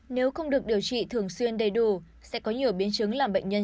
nếu không được điều trị thường xuyên đầy đủ sẽ có nhiều biến chứng làm bệnh nhân